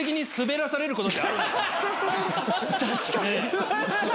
確かに。